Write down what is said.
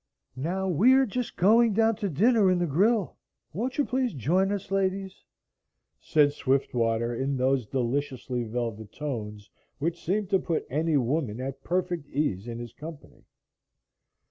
"Now, we are just going down to dinner in the grill; won't you please join us, ladies?" said Swiftwater in those deliciously velvet tones which seemed to put any woman at perfect ease in his company.